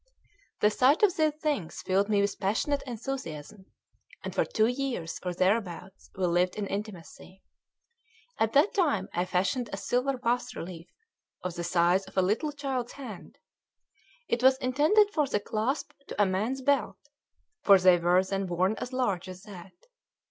The sight of these things filled me with passionate enthusiasm; and for two years or thereabouts we lived in intimacy. At that time I fashioned a silver bas relief of the size of a little child's hand. It was intended for the clasp to a man's belt; for they were then worn as large as that.